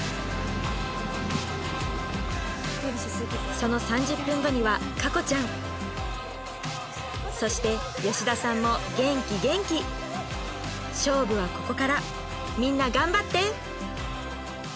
その３０分後には夏子ちゃんそして吉田さんも元気元気勝負はここからみんな頑張って！